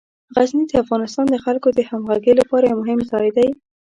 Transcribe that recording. غزني د افغانستان د خلکو د همغږۍ لپاره یو مهم ځای دی.